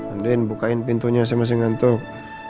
andin bukain pintunya si masing masing tuh